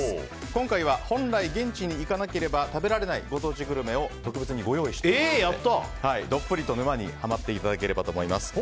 今回は本来、現地に行かなければ食べられないご当地グルメを特別にご用意してますのでどっぷりと沼にハマっていただければと思います。